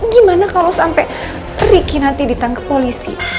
gimana kalau sampai riki nanti ditangkap polisi